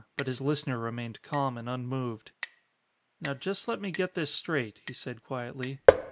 But his listener remained calm and unmoved. "Now just let me get this straight," he said quietly.